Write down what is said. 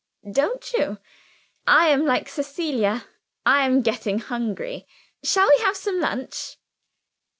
"Don't you? I am like Cecilia I am getting hungry. Shall we have some lunch?"